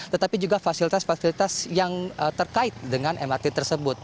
tetapi juga fasilitas fasilitas yang terkait dengan mrt tersebut